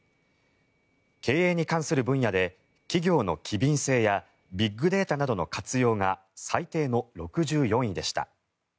経営に関する分野で企業の機敏性やビッグデータなどの活用が最低の６４位でした。